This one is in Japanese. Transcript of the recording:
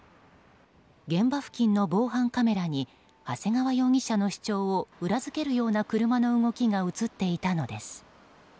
現場付近の防犯カメラに長谷川容疑者の主張を裏付けるような車の動きが映っていたのです。